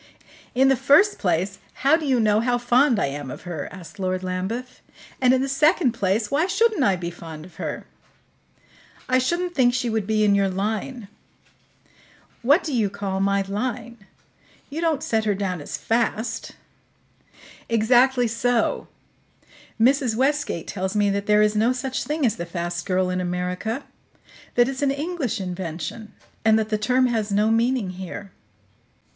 "In the first place, how do you know how fond I am of her?" asked Lord Lambeth. "And, in the second place, why shouldn't I be fond of her?" "I shouldn't think she would be in your line." "What do you call my 'line'? You don't set her down as 'fast'?" "Exactly so. Mrs. Westgate tells me that there is no such thing as the 'fast girl' in America; that it's an English invention, and that the term has no meaning here."